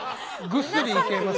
ぐっすりいけます。